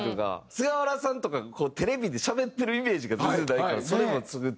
菅原さんとかがテレビでしゃべってるイメージが全然ないからそれもすごい楽しみです。